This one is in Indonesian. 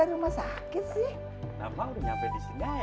umi juga biasanya